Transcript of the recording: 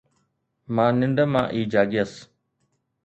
مان ننڊ مان ئي جاڳيس